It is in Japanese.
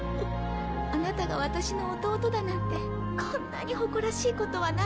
あなたがワタシの弟だなんてこんなに誇らしいことはないわ。